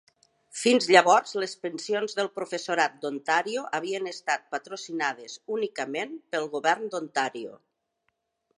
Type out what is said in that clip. Fins llavors, les pensions del professorat d'Ontario havien estat patrocinades únicament pel govern d'Ontario.